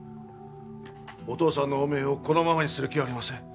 お父さんの汚名をこのままにする気はありません。